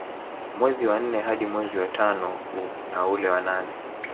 Mwezi wa nne hadi mwezi wa tano na ule wa nane